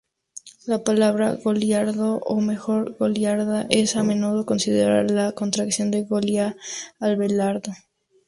La palabra"goliardo", o mejor"goliarda", es a menudo considerada la contracción de""Golía Abelardo"".